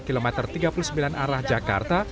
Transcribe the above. dan kemudian di kilometer tiga puluh sembilan arah jakarta